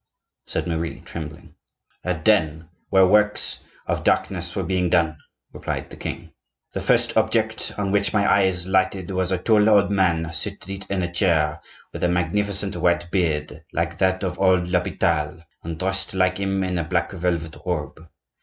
said Marie, trembling. "A den, where works of darkness were being done," replied the king. "The first object on which my eyes lighted was a tall old man seated in a chair, with a magnificent white beard, like that of old l'Hopital, and dressed like him in a black velvet robe.